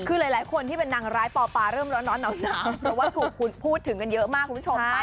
คือหลายคนที่เป็นนางร้ายปอปาเริ่มร้อนหนาวเพราะว่าถูกพูดถึงกันเยอะมากคุณผู้ชมค่ะ